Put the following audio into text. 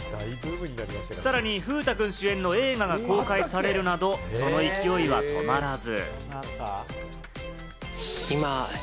さらに風太くん主演の映画が公開されるなど、その勢いは止まらず。